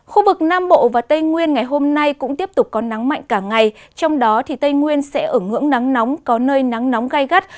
khu vực nam bộ và tây nguyên ngày hôm nay cũng tiếp tục có nắng mạnh cả ngày trong đó tây nguyên sẽ ở ngưỡng nắng nóng có nơi nắng nóng gai gắt